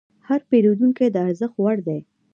هر پیرودونکی د ارزښت وړ دی.